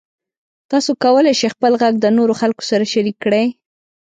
تاسو کولی شئ خپل غږ د نورو خلکو سره شریک کړئ.